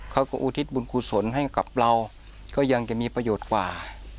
อุทิศบุญกุศลให้กับเราก็ยังจะมีประโยชน์กว่า